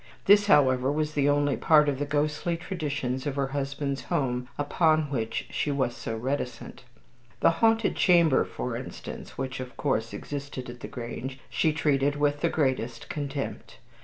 This, however, was the only part of the ghostly traditions of her husband's home upon which she was so reticent. The haunted chamber, for instance which, of course, existed at the Grange she treated with the greatest contempt.